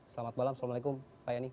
selamat malam assalamualaikum pak yani